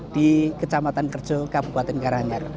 di kecamatan kerjol kabupaten karanganyar